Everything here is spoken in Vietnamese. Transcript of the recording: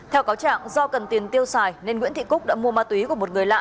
theo cáo trạng do cần tiền tiêu xài nên nguyễn thị cúc đã mua ma túy của một người lạ